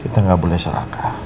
kita gak boleh serakah